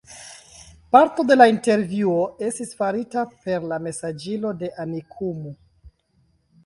Parto de la intervjuo estis farita per la mesaĝilo de Amikumu.